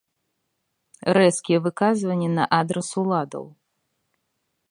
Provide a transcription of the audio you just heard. Рэзкія выказванні на адрас уладаў.